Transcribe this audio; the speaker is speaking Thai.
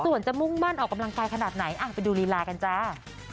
ส่วนจะมุ่งมั่นออกกำลังกายขนาดไหนไปดูลีลากันจ้า